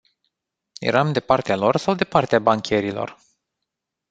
Eram de partea lor sau de partea bancherilor?